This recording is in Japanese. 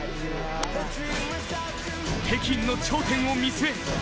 北京の頂点を見据え